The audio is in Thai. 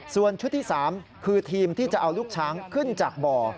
ส่วนชุดที่๓คือทีมที่จะเอาลูกช้างขึ้นจากบ่อ